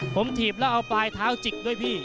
ผมถีบแล้วเอาปลายเท้าจิกด้วยพี่